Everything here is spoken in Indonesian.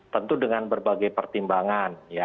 tentu dengan berbagai pertimbangan